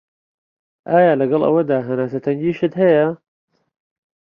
ئایا لەگەڵ ئەوەدا هەناسه تەنگیشت هەیە؟